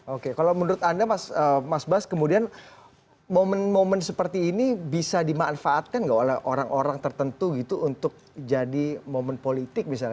oke kalau menurut anda mas bas kemudian momen momen seperti ini bisa dimanfaatkan nggak oleh orang orang tertentu gitu untuk jadi momen politik misalnya